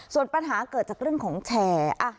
ส่วนปัญหาเกิดจากเรื่องของแชร์